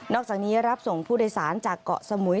อกจากนี้รับส่งผู้โดยสารจากเกาะสมุย